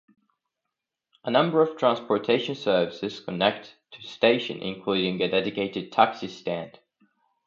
A number of transportation services connect to the station, including a dedicated taxi stand.